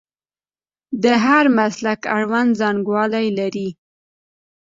د هر مسلک اړوند څانګوال یې لري.